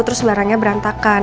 terus barangnya berantakan